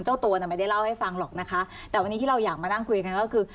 เจ้าตัวน่ะไม่ได้เล่าให้ฟังหรอกนะคะแต่วันนี้ที่เราอยากมานั่งคุยกันก็คือ